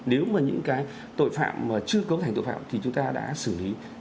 nếu mà những cái tội phạm mà chưa cấu thành tội phạm thì chúng ta đã xử lý